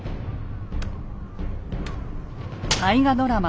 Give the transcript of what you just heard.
大河ドラマ